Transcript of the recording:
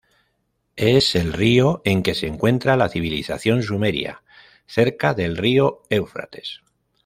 Es el río en que se encuentra la civilización sumeria, cerca del río Éufrates.